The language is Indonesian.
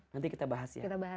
nanti kita bahas ya